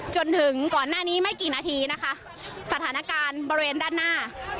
จนถึงก่อนหน้านี้ไม่กี่นาทีนะคะสถานการณ์บริเวณด้านหน้า